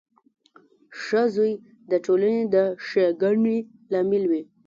• ښه زوی د ټولنې د ښېګڼې لامل وي.